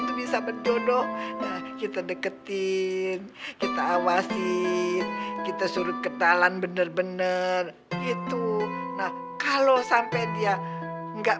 tuh bisa berjodoh d twettin kita awasin kita suruh ketalan bener bener itu nah kalau sampai dia nggak